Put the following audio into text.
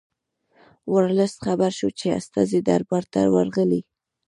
ورلسټ خبر شو چې استازي دربار ته ورغلي.